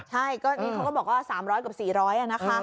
ใช่ก็นี่เขาก็บอกว่า๓๐๐กับ๔๐๐นะคะ